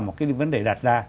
một cái vấn đề đạt ra